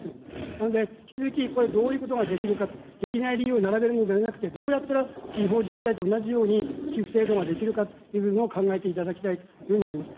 なので、引き続き、これ、どういうことができるか、できない理由を並べるのではなくて、どうやったら地方自治体と同じように寄付制度ができるかという部分を考えていただきたいというふうに思います。